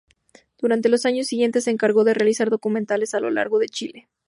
Durante los años siguientes se encargó de realizar documentales a lo largo de Chile.